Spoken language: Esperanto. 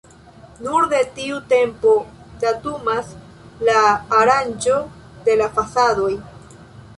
Nur de tiu tempo datumas la aranĝo de la fasadoj.